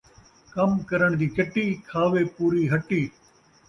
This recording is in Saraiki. کم کرݨ دی چٹی ، کھاوے پوری ہٹی